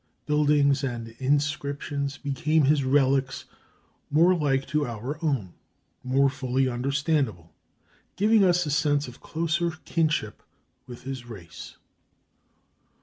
Buildings and inscriptions became his relics, more like to our own, more fully understandable, giving us a sense of closer kinship with his race.